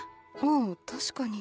ああ確かに。